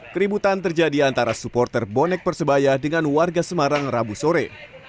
keributan terjadi antara supporter bonek persebaya dengan warga semarang rabu sore